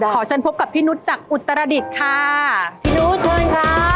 ขอเชิญพบกับพี่นุชจากอุตรดิตค่ะพี่นุชช่วยครับ